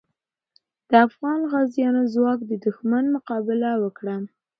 د افغان غازیو ځواک د دښمن مقابله وکړه.